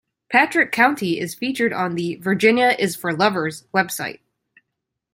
Patrick County is featured on the Virginia is For Lovers website.